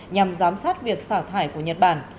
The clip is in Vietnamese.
nhằm giám sát việc xả thải của nhật bản